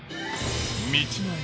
道の駅